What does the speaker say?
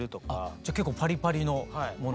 じゃあ結構パリパリのもの。